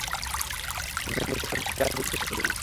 দামিনীকে তাদের ঠিকানা জিজ্ঞাসা করিলাম।